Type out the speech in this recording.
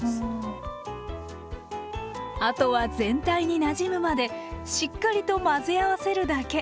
あとは全体になじむまでしっかりと混ぜ合わせるだけ。